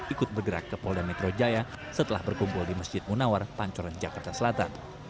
ikut bergerak ke polda metro jaya setelah berkumpul di masjid munawar pancoran jakarta selatan